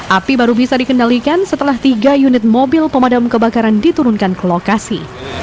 api baru bisa dikendalikan setelah tiga unit mobil pemadam kebakaran diturunkan ke lokasi